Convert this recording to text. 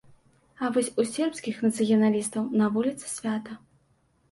А вось у сербскіх нацыяналістаў на вуліцы свята.